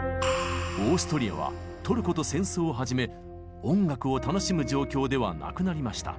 オーストリアはトルコと戦争を始め音楽を楽しむ状況ではなくなりました。